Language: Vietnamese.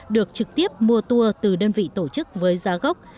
được trực tiếp mua tour từ đơn vị tổ chức với giá gốc